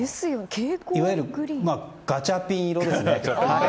いわゆるガチャピン色ですね。